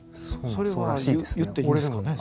それは言っていいんですかね？